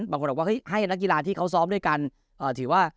บางคนเราก็คฎว่าให้นักยุฬาที่เขาซ้อมด้วยกันเอ่อถือว่า